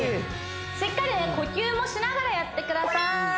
しっかりね呼吸もしながらやってください